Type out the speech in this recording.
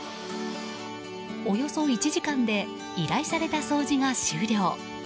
およそ１時間で依頼された掃除が終了。